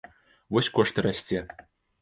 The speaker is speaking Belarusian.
Вось кошт і расце.